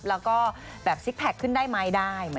แล้วก็สิคแพคขึ้นได้ไมค์ได้